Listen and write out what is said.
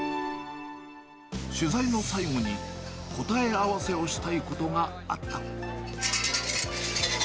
取材の最後に、答え合わせをしたいことがあった。